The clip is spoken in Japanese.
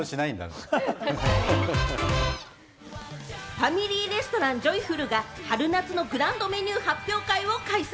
ファミリーレストラン・ジョイフルが春夏のグランドメニュー発表会を開催。